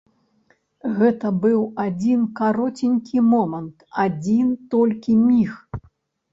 Гэта быў адзін кароценькі момант, адзін толькі міг.